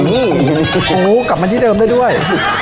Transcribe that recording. นี่โอ้กลับมาที่เดิมได้ด้วย